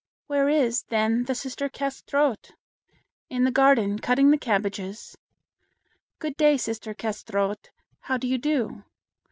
"Where is, then, the sister Kâsetraut?" "In the garden, cutting the cabbages." "Good day, sister Kâsetraut. How do you do?"